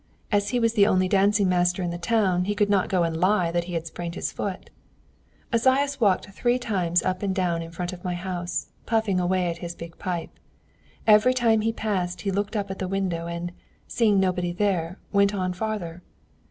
As he was the only dancing master in the town he could not go and lie that he had sprained his foot. "Esaias walked three times up and down in front of my house, puffing away at his big pipe. Every time he passed he looked up at the window, and, seeing nobody there, went on farther.